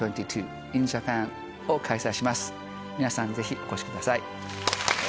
皆さんぜひお越しください。